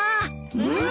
うん。